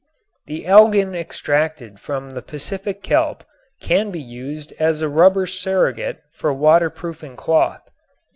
The algin extracted from the Pacific kelp can be used as a rubber surrogate for water proofing cloth.